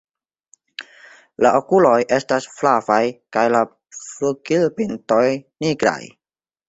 La okuloj estas flavaj kaj la flugilpintoj nigraj.